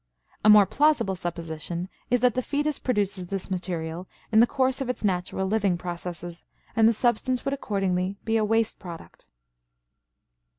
A more plausible supposition is that the fetus produces this material in the course of its natural living processes, and the substance would accordingly be a waste product.